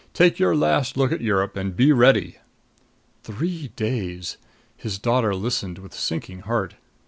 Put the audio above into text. "Take your last look at Europe and be ready." Three days! His daughter listened with sinking heart.